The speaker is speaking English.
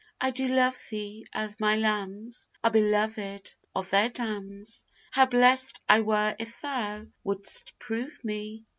I do love thee as my lambs Are belovèd of their dams: How blest I were if thou would'st prove me!